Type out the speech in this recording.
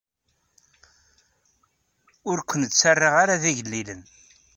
Ur ken-ttaraɣ ara d igellilen.